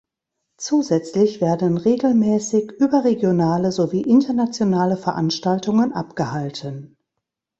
Zusätzlich werden regelmässig überregionale sowie internationale Veranstaltungen abgehalten.